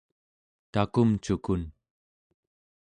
takumcukun